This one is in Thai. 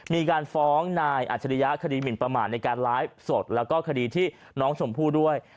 มีการฟ้องนายอัจฉริยะคดีหมินประมาทในการไลฟ์สดแล้วก็คดีที่น้องชมพู่ด้วย